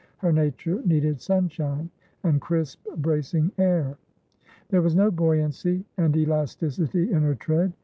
Her nature needed sunshine and crisp, bracing air. There was no buoyancy and elasticity in her tread.